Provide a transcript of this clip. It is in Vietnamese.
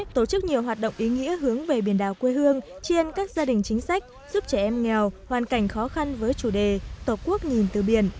tổ chức nhiều hoạt động ý nghĩa hướng về biển đảo quê hương tri ân các gia đình chính sách giúp trẻ em nghèo hoàn cảnh khó khăn với chủ đề tổ quốc nhìn từ biển